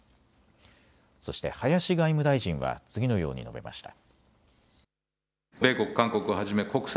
そして林外務大臣は次のように述べました。